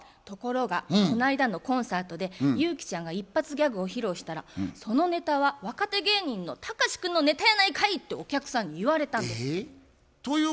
ところがこないだのコンサートでユウキちゃんが一発ギャグを披露したら「そのネタは若手芸人のタカシ君のネタやないかい！」ってお客さんに言われたんですって。